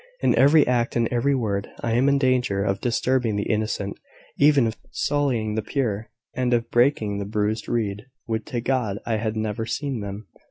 In every act and every word I am in danger of disturbing the innocent even of sullying the pure, and of breaking the bruised reed. Would to God I had never seen them!